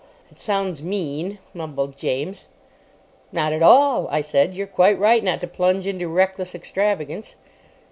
"It sounds mean," mumbled James. "Not at all," I said. "You're quite right not to plunge into reckless extravagance."